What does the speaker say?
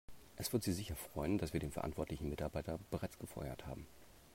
Es wird Sie sicher freuen, dass wir den verantwortlichen Mitarbeiter bereits gefeuert haben.